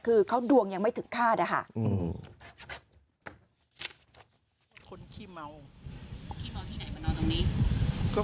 คือเขาดวงยังไม่ถึงคาดอะค่ะ